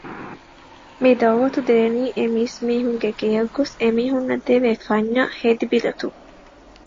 މި ދަޢުވަތު ދޭނީ އެ މީސްމީހުންގެ ގެޔަށް ގޮސް އެ މީހުންނަށް ދެވޭ ފަންޏާއި ހެދިބިލަތުން